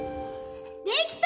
できた！